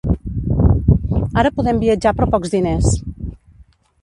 Ara podem viatjar per pocs diners.